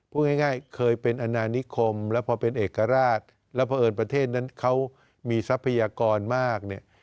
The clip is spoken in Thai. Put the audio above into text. พูดง่ายเคยเป็นอนานิคมแล้วพอเป็นเอกราชแล้วเพราะเอิญประเทศนั้นเขามีทรัพยากรมากเนี่ย